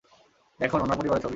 দেখুন, উনার পরিবারের ছবি।